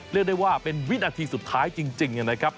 เรียกได้ว่าเป็นวินาทีสุดท้ายจริงนะครับ